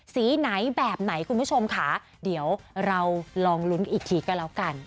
สีไหนแบบไหนคุณผู้ชมค่ะเดี๋ยวเราลองลุ้นอีกทีก็แล้วกัน